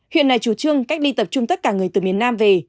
huyện này chủ trương cách ly tập trung tất cả người từ miền nam về